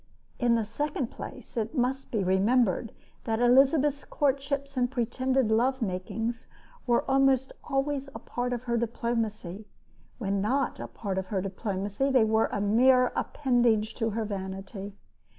In the second place, it must be remembered that Elizabeth's courtships and pretended love makings were almost always a part of her diplomacy. When not a part of her diplomacy they were a mere appendage to her vanity.